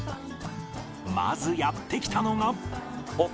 まずやって来たのが